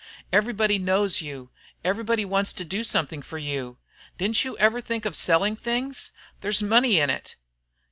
Everybody knows you, everybody wants to do something for you. Didn't you ever think of selling things? There's money in it."